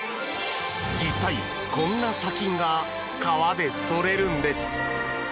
実際、こんな砂金が川でとれるんです。